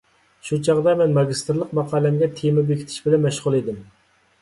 شۇ چاغدا مەن ماگىستىرلىق ماقالەمگە تېما بېكىتىش بىلەن مەشغۇل ئىدىم.